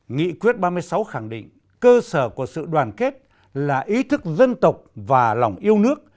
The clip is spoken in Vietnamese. nghị quyết ba mươi sáu khẳng định cơ sở của sự đoàn kết là ý thức dân tộc và lòng yêu nước